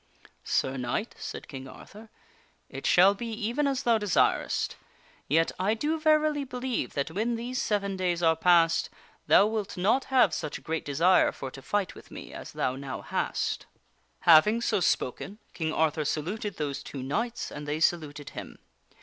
"Sir Knight," said King Arthur, "it shall be even as thou desirest. Yet I do verily believe that when these seven days are passed thou wilt not have such a great desire for to fight with me as thou now hast." Having so spoken, King Arthur saluted those two knights and they saluted him.